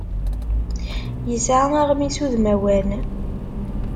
Yesɛa aɣmis udmawan.